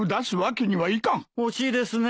惜しいですね